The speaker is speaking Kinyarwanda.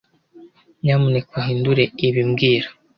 Nyamuneka uhindure ibi mbwira